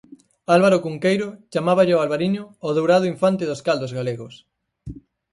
Álvaro Cunqueiro chamáballe ao albariño, o dourado infante dos caldos galegos.